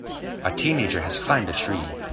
A teenager has climbed a tree.